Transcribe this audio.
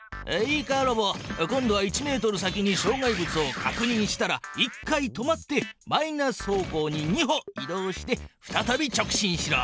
今度は１ｍ先にしょう害物をかくにんしたら１回止まってマイナス方向に２歩い動してふたたび直進しろ。